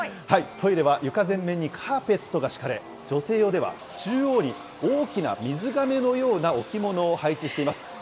トイレは床全面にカーペットが敷かれ、女性用では中央に大きな水がめのような置物を配置しています。